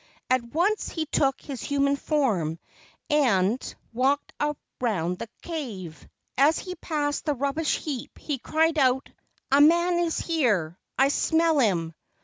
At once he took his human form and 54 LEGENDS OF GHOSTS walked around the cave. As he passed the rub¬ bish heap he cried out: "A man is here. I smell him."